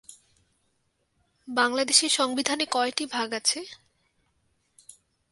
বাংলাদেশের সংবিধানে কয়টি ভাগ আছে?